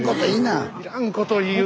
いらんこと言いな。